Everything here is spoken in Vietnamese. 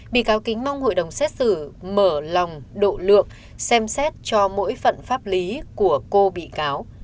bị cáo kính mong hội đồng xét xử mở lòng độ lượng xem xét cho mỗi phận pháp lý của cô bị cáo